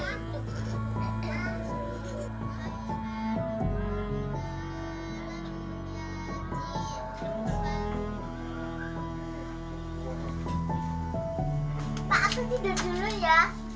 pak aku tidur dulu ya